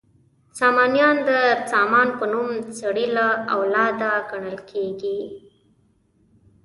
سامانیان د سامان په نوم سړي له اولاده ګڼل کیږي.